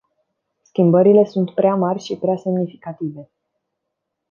Schimbările sunt prea mari și prea semnificative.